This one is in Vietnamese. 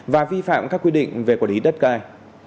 và vi phạm các quy định về quản lý đất đai